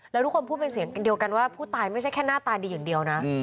แล้วทุกคนพูดเป็นเสียงเดียวกันว่าผู้ตายไม่ใช่แค่หน้าตาดีอย่างเดียวนะ